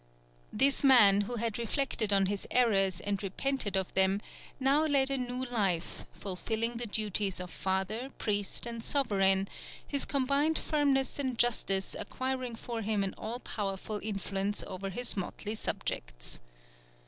This man, who had reflected on his errors and repented of them, now led a new life, fulfilling the duties of father, priest, and sovereign, his combined firmness and justice acquiring for him an all powerful influence over his motley subjects.